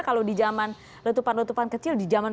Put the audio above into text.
kalau di zaman letupan letupan kecil di zaman